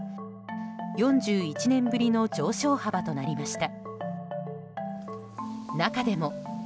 ４１年ぶりの上昇幅となりました。